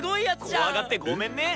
怖がってごめんね！